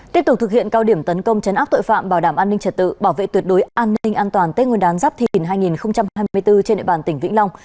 tiếp tục thực hiện cao điểm tấn công chấn áp tội phạm bảo đảm an ninh trật tự bảo vệ tuyệt đối an ninh an toàn tết nguyên đán giáp thìn hai nghìn hai mươi bốn trên địa bàn tỉnh vĩnh long